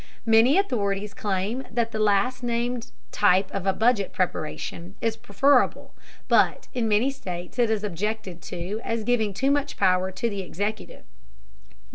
Many authorities claim that the last named type of budget preparation is preferable but, in many states it is objected to as giving too much power to the executive.